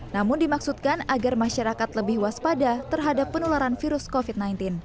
namun dimaksudkan agar masyarakat lebih waspada terhadap penularan virus covid sembilan belas